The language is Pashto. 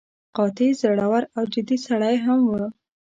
قاطع، زړور او جدي سړی هم و.